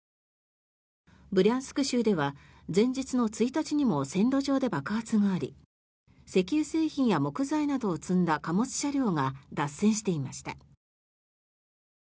ブリャンスク州では前日の１日にも線路上で爆発があり石油製品や木材などを積んだ貨物車両が脱線していました。